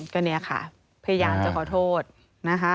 ก็เนี่ยค่ะพยายามจะขอโทษนะคะ